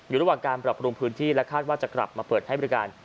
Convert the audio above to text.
อยู่ระหว่างการปรับปรุงพื้นที่และคาดว่าจะกลับมาเปิดให้บริการ